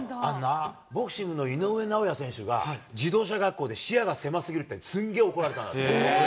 ボクシングの井上尚弥選手が、自動車学校で視野が狭すぎるって、すんげえ怒られたんだって。